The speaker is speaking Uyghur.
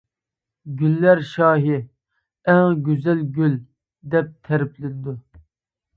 «گۈللەر شاھى» ، «ئەڭ گۈزەل گۈل» دەپ تەرىپلىنىدۇ.